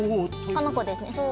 この子ですね。